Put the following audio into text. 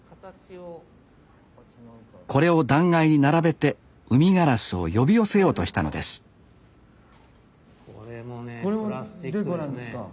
これを断崖に並べてウミガラスを呼び寄せようとしたのですこれもねプラスチックでね。